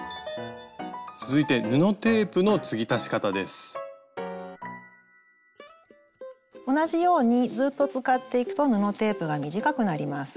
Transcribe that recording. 続いて同じようにずっと使っていくと布テープが短くなります。